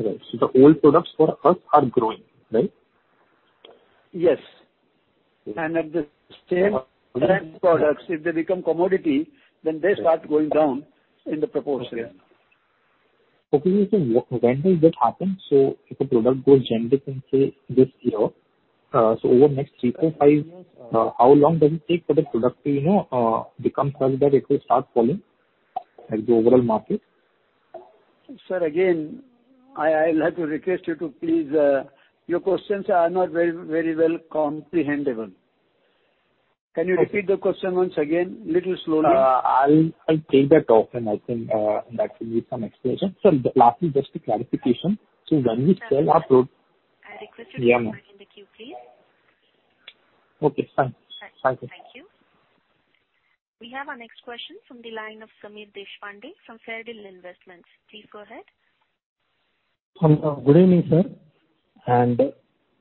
Speaker 7: Right. The old products for us are growing, right?
Speaker 3: Yes.
Speaker 7: Okay.
Speaker 3: At the same time products, if they become commodity, then they start going down in the proportion.
Speaker 7: Okay. When does that happen? If a product goes generic in, say, this year, so over next three, four, five years, how long does it take for the product to, you know, become such that it will start falling like the overall market?
Speaker 3: Sir, again, I'll have to request you to please. Your questions are not very well comprehensible. Can you repeat the question once again, little slowly?
Speaker 7: I'll take that off and I think that will need some explanation. Lastly, just a clarification. When we sell our pro-
Speaker 1: Sir, I request you to come back in the queue, please.
Speaker 7: Okay, fine.
Speaker 1: Sorry.
Speaker 7: Thank you.
Speaker 1: Thank you. We have our next question from the line of Sameer Deshpande from Fairdeal Investments. Please go ahead.
Speaker 16: Good evening, sir.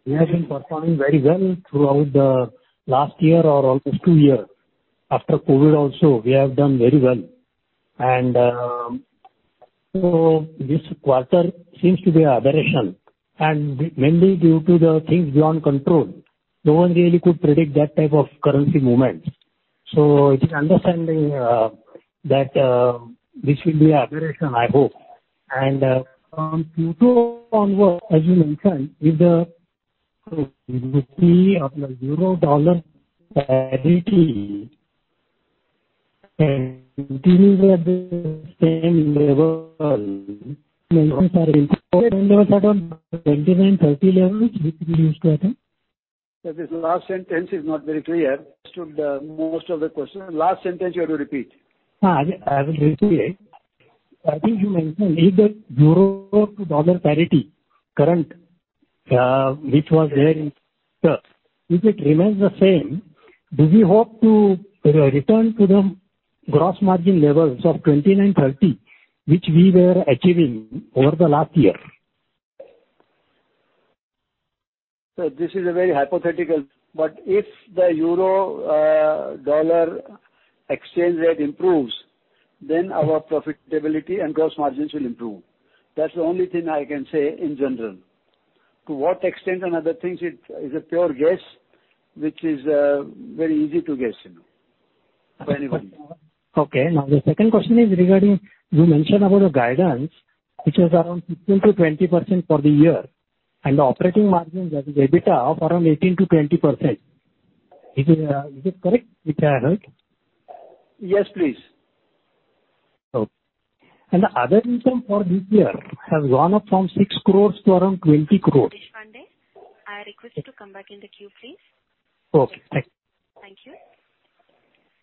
Speaker 16: We have been performing very well throughout the last year or almost two year. After COVID also, we have done very well. This quarter seems to be an aberration, and mainly due to the things beyond control. No one really could predict that type of currency movements. It is understandable that this will be an aberration, I hope. From Q2 onward, as you mentioned, if the euro-dollar parity continues at the same level 29, 30 levels, which we used to attain.
Speaker 3: Sir, this last sentence is not very clear. Understood, most of the question. Last sentence you have to repeat.
Speaker 16: Yeah. I will repeat it. I think you mentioned if the euro-to-dollar parity currently, which was there in
Speaker 3: Yes.
Speaker 16: If it remains the same, do we hope to return to the gross margin levels of 29%-30%, which we were achieving over the last year?
Speaker 3: This is a very hypothetical. If the euro-dollar exchange rate improves, then our profitability and gross margins will improve. That's the only thing I can say in general. To what extent and other things, it is a pure guess, which is very easy to guess, you know, for anybody.
Speaker 16: Okay. Now, the second question is regarding, you mentioned about a guidance which was around 15%-20% for the year, and the operating margins as the EBITDA of around 18%-20%. Is it correct if I heard?
Speaker 3: Yes, please.
Speaker 16: Okay. The other income for this year has gone up from 6 crore to around 20 crore.
Speaker 1: Deshpande, I request you to come back in the queue, please.
Speaker 16: Okay, thank you.
Speaker 1: Thank you.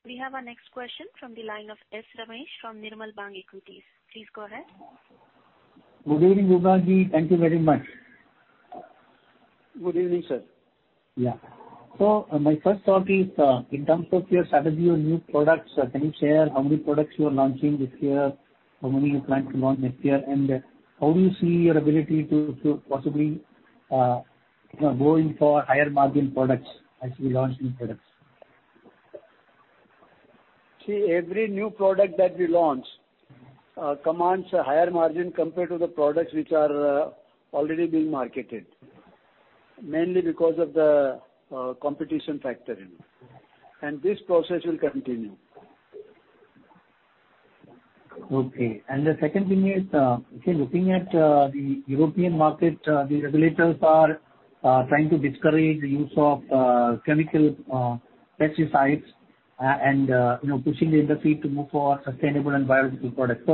Speaker 1: We have our next question from the line of Ramesh Sankaranarayanan from Nirmal Bang Equities. Please go ahead.
Speaker 17: Good evening, Bubna. Thank you very much.
Speaker 3: Good evening, sir.
Speaker 17: Yeah. My first thought is, in terms of your strategy on new products, can you share how many products you are launching this year? How many you plan to launch next year? And how do you see your ability to possibly, you know, going for higher margin products as you launch new products?
Speaker 3: See, every new product that we launch commands a higher margin compared to the products which are already being marketed, mainly because of the competition factor in. This process will continue.
Speaker 17: Okay. The second thing is, okay, looking at the European market, the regulators are trying to discourage the use of chemical pesticides and, you know, pushing the industry to move for sustainable and biological products.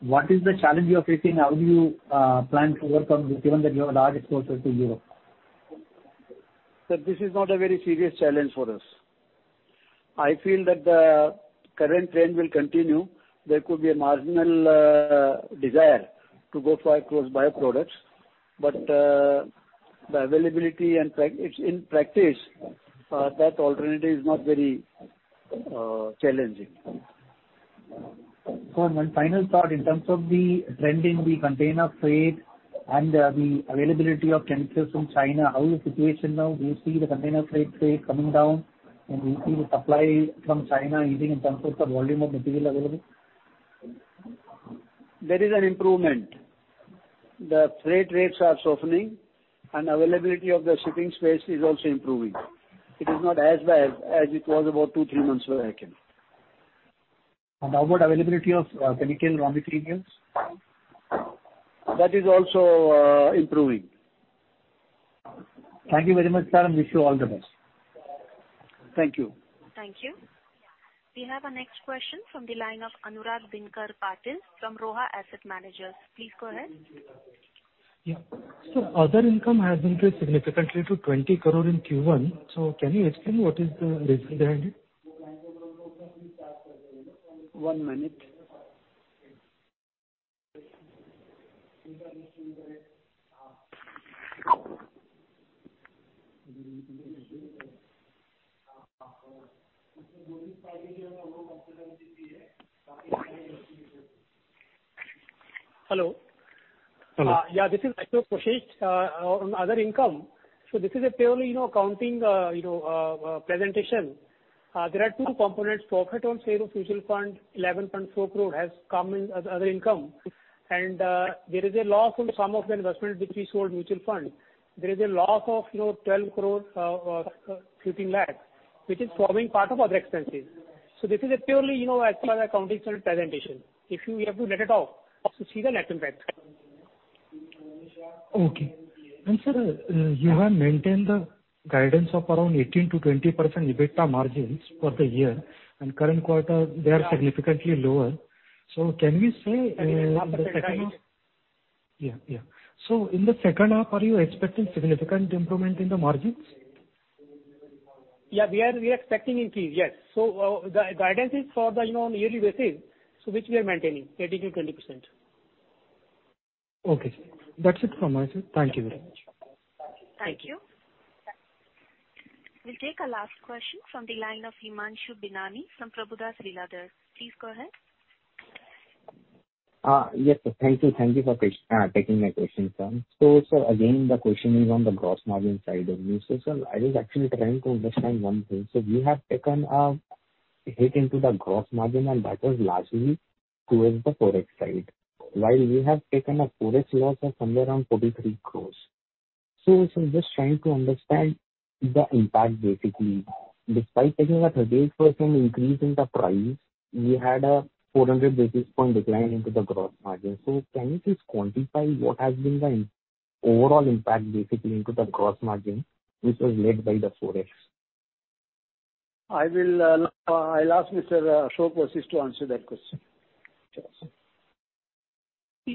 Speaker 17: What is the challenge you are facing? How do you plan to overcome this given that you have a large exposure to Europe?
Speaker 3: Sir, this is not a very serious challenge for us. I feel that the current trend will continue. There could be a marginal desire to go for, of course, bioproducts. The availability and it's in practice that alternative is not very challenging.
Speaker 17: Sir, one final thought. In terms of the trend in the container freight and the availability of chemicals from China, how is the situation now? Do you see the container freight rate coming down, and do you see the supply from China easing in terms of the volume of material available?
Speaker 3: There is an improvement. The freight rates are softening and availability of the shipping space is also improving. It is not as bad as it was about two, three months back.
Speaker 17: How about availability of chemical raw materials?
Speaker 3: That is also improving.
Speaker 17: Thank you very much, sir. Wish you all the best.
Speaker 3: Thank you.
Speaker 1: Thank you. We have our next question from the line of Anurag Dinkar Patil from Roha Asset Managers. Please go ahead.
Speaker 18: Yeah. Other income has increased significantly to 20 crore in Q1. Can you explain what is the reason behind it?
Speaker 1: One minute.
Speaker 4: Hello.
Speaker 18: Hello.
Speaker 4: Yeah, this is Ashok Vashisht. On other income, this is a purely, you know, accounting, you know, presentation. There are two components. Profit on sale of mutual fund, 11.4 crore has come in other income. There is a loss on some of the investment which we sold mutual fund. There is a loss of, you know, 12.15 crore, which is forming part of other expenses. This is a purely, you know, as per the accounting presentation. You have to net it off to see the net impact.
Speaker 18: Okay. Sir, you have maintained the guidance of around 18%-20% EBITDA margins for the year and current quarter, they are significantly lower. Can we say the second half-
Speaker 4: I think.
Speaker 18: Yeah. In the second half, are you expecting significant improvement in the margins?
Speaker 4: Yeah, we are expecting increase, yes. The guidance is for the, you know, on yearly basis, which we are maintaining, 18%-20%.
Speaker 18: Okay. That's it from my side. Thank you very much.
Speaker 1: Thank you. We'll take our last question from the line of Himanshu Binani from Prabhudas Lilladher. Please go ahead.
Speaker 19: Yes, thank you. Thank you for taking my question, sir. Again, the question is on the gross margin side of the business. I was actually trying to understand one thing. You have taken a hit into the gross margin, and that was largely towards the Forex side. While you have taken a Forex loss of somewhere around 43 crore. I was just trying to understand the impact basically. Despite taking a 38% increase in the price, we had a 400 basis point decline into the gross margin. Can you please quantify what has been the overall impact basically into the gross margin, which was led by the Forex?
Speaker 3: I will, I'll ask Mr. Ashok Vashisht to answer that question.
Speaker 19: Sure, sir.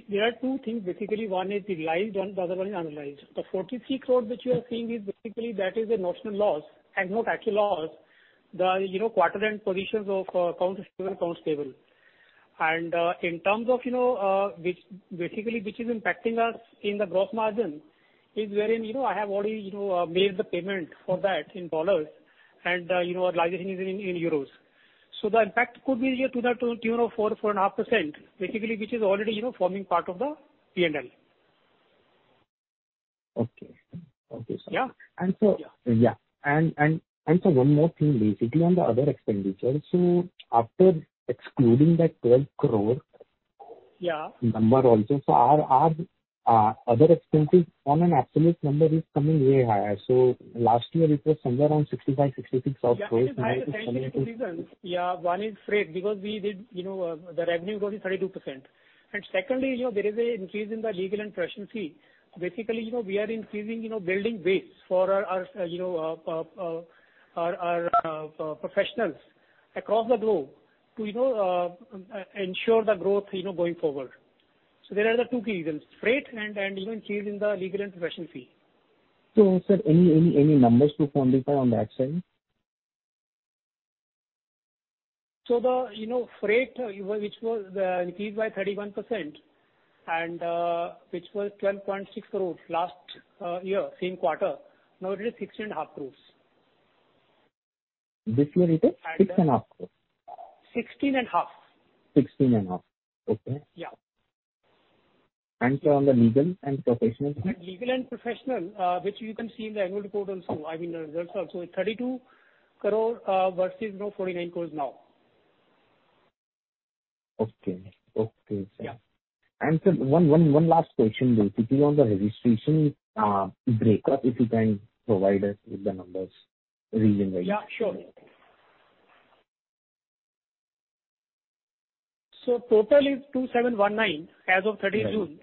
Speaker 4: There are two things basically. One is realized and the other one is unrealized. The 43 crore which you are seeing is basically that is a notional loss and not actual loss. The quarter end positions of accounts payable. In terms of which basically is impacting us in the gross margin is wherein you know I have already you know made the payment for that in U.S. dollars and you know our liability is in euros. So the impact could be to the tune of 4%-4.5%, basically, which is already you know forming part of the P&L.
Speaker 19: Okay. Okay, sir.
Speaker 4: Yeah.
Speaker 19: And so- Yeah. One more thing basically on the other expenditure. After excluding that 12 crore-
Speaker 4: Yeah.
Speaker 19: Number also, our other expenses on an absolute number is coming way higher. Last year it was somewhere around INR 65 crore-INR 66 crore.
Speaker 4: Yeah, it is higher for three specific reasons. One is freight, because we did, you know, the revenue growth is 32%. Secondly, you know, there is a increase in the legal and professional fee. Basically, you know, we are increasing, you know, building base for our professionals across the globe to, you know, ensure the growth, you know, going forward. There are the two key reasons, freight and increase in the legal and professional fee.
Speaker 19: Sir, any numbers to quantify on that side?
Speaker 4: The freight, you know, which was increased by 31% and which was 12.6 crores last year, same quarter. Now it is 16.5 crores.
Speaker 19: This year it is 6.5 crore.
Speaker 4: 16.5 crores.
Speaker 19: 16.5 crores. Okay.
Speaker 4: Yeah.
Speaker 19: Sir, on the legal and professional fee?
Speaker 4: Legal and professional, which you can see in the annual report also. I mean, the results also, it's 32 crore versus now 49 crores now.
Speaker 19: Okay. Okay, sir.
Speaker 4: Yeah.
Speaker 19: Sir, one last question basically on the registration breakup, if you can provide us with the numbers region-wide.
Speaker 4: Yeah, sure. Total is 2,719 as of 30 June.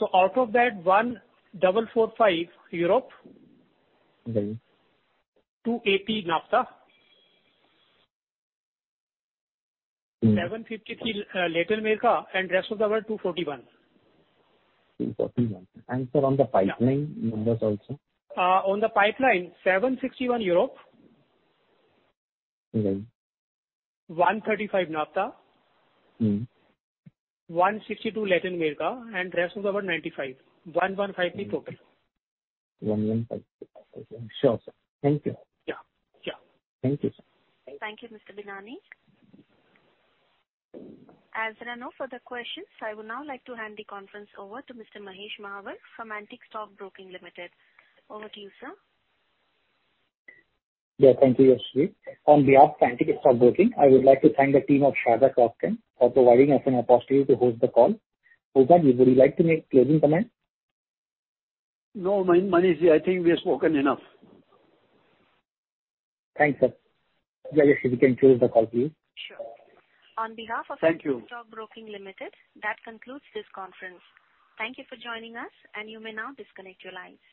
Speaker 19: Right.
Speaker 4: Out of that, 1,445 Europe.
Speaker 19: Right.
Speaker 4: 280 NAFTA. 753, Latin America, and INR 241, rest of the world.
Speaker 19: 241. Sir, on the pipeline numbers also.
Speaker 4: On the pipeline 761 Europe.
Speaker 19: Right.
Speaker 4: 135 NAFTA.
Speaker 19: Mm-hmm.
Speaker 4: 162 Latin America and rest of the world 95. 115 the total.
Speaker 19: 115. Okay. Sure, sir. Thank you.
Speaker 4: Yeah. Yeah.
Speaker 19: Thank you, sir.
Speaker 1: Thank you, Mr. Binani. As there are no further questions, I would now like to hand the conference over to Mr. Manish Mahawar from Antique Stock Broking Limited. Over to you, sir.
Speaker 2: Yeah, thank you, Yashvi. On behalf of Antique Stock Broking, I would like to thank the team of Sharda Cropchem for providing us an opportunity to host the call. Bubna, would you like to make closing comments?
Speaker 3: No, Manish, I think we have spoken enough.
Speaker 2: Thanks, sir. Yeah, Yashvi, we can close the call, please.
Speaker 1: Sure. On behalf of
Speaker 3: Thank you.
Speaker 1: Antique Stock Broking Limited, that concludes this conference. Thank you for joining us, and you may now disconnect your lines.